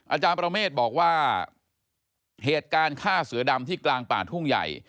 อาจารย์ประเมฆบอกว่าเหตุการณ์ฆ่าเสือดำที่กลางป่าทุ่งใหญ่